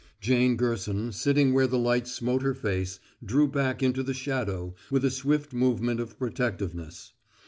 Jane Gerson, sitting where the light smote her face, drew back into the shadow with a swift movement of protectiveness.